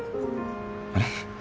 あれ？